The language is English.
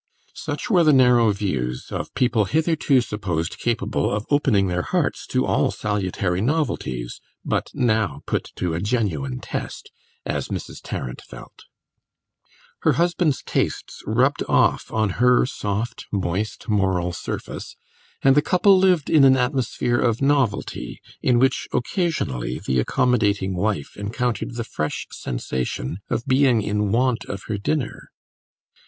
Such were the narrow views of people hitherto supposed capable of opening their hearts to all salutary novelties, but now put to a genuine test, as Mrs. Tarrant felt. Her husband's tastes rubbed off on her soft, moist moral surface, and the couple lived in an atmosphere of novelty, in which, occasionally, the accommodating wife encountered the fresh sensation of being in want of her dinner.